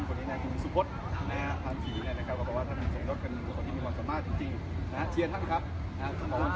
ก็บอกว่าท่านสงสัยกันเป็นคนที่มีกว่าสามารถจริงนะฮะเชียร์ทั้งครับ